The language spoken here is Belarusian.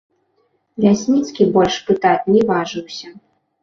Лясніцкі больш пытаць не важыўся.